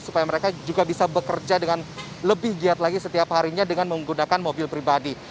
supaya mereka juga bisa bekerja dengan lebih giat lagi setiap harinya dengan menggunakan mobil pribadi